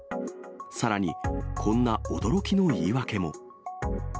さらに、こんな驚きの言い訳も。